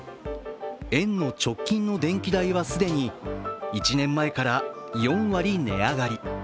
園の直近の電気代は既に１年前から４割値上がり。